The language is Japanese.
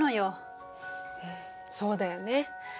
うんそうだよね。